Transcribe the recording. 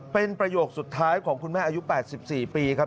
เป็นประโยคสุดท้ายของคุณแม่อายุ๘๔ปีครับ